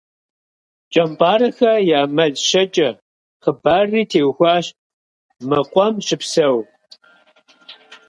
«КӀэмпӀарэхэ я мэл щэкӀэ» хъыбарри теухуащ мы къуэм щыпсэуа КӀэмпӀарэ зэкъуэшитӀым.